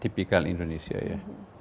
tipikal indonesia ya